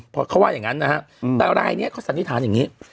พอเขาว่าอย่างงั้นนะฮะแต่รายเนี่ยเขาสันติฐานอย่างงี้